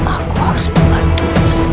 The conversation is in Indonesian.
aku harus membantu